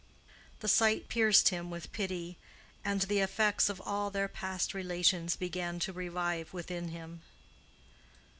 The sight pierced him with pity, and the effects of all their past relations began to revive within him.